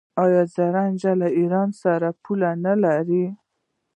آیا زرنج له ایران سره پوله نلري؟